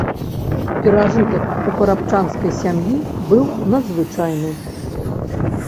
Перажытак у парабчанскай сям'і быў надзвычайны.